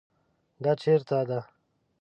دا چیرته ده؟